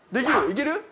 いける？